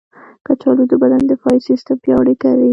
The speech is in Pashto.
کچالو د بدن دفاعي سیستم پیاوړی کوي.